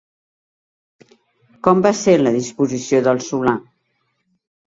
Com va a ser la disposició del solar?